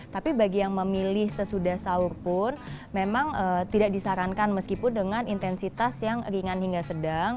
tapi bagi yang memilih sesudah sahur pun memang tidak disarankan meskipun dengan intensitas yang ringan hingga sedang